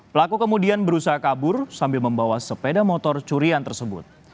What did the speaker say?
pelaku kemudian berusaha kabur sambil membawa sepeda motor curian tersebut